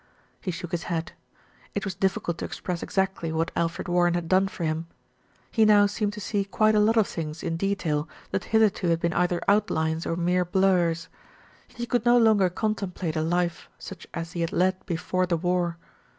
He shook his head. It was difficult to express ex actly what Alfred Warren had done for him. He now seemed to see quite a lot of things in detail that hitherto had been either outlines or mere blurs. He could no longer contemplate a life such as he had led before the war.